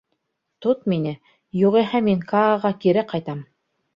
— Тот мине, юғиһә мин Кааға кире ҡайтам.